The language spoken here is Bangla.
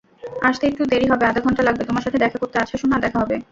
আসতে একটু দেরী হবে আধাঘন্টা লাগবে তোমার সাথে দেখা করতে আচ্ছা সোনা দেখা হবে।